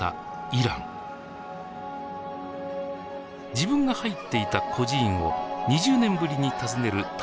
自分が入っていた孤児院を２０年ぶりに訪ねる旅